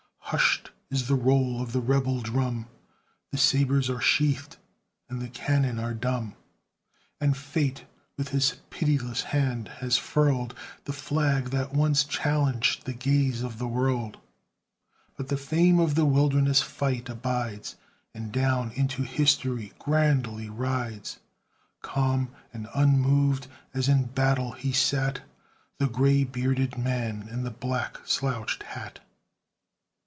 Hushed is the roll of the Rebel drum, The sabres are sheathed, and the cannon are dumb; And Fate, with his pitiless hand, has furled The flag that once challenged the gaze of the world; But the fame of the Wilderness fight abides; And down into history grandly rides, Calm and unmoved as in battle he sat, The gray bearded man in the black slouched hat.